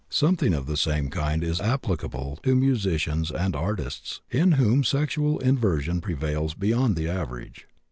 Something of the same kind is applicable to musicians and artists, in whom sexual inversion prevails beyond the average.